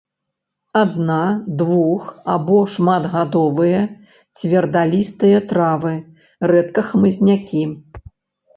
Адна-, двух- або шматгадовыя цвердалістыя травы, рэдка хмызнякі.